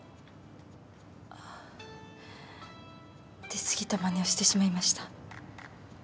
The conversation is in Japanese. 出過ぎたまねをしてしまいました。